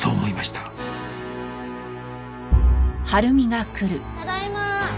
ただいま。